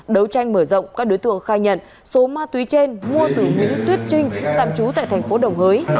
đấu tranh mở rộng các đối tượng khai nhận số ma túy trên mua từ mỹ tuyết trinh tạm trú tại tp đồng hới